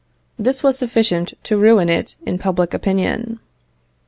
This was sufficient to ruin it in public opinion.